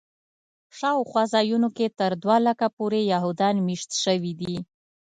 شاوخوا ځایونو کې تر دوه لکو پورې یهودان میشت شوي دي.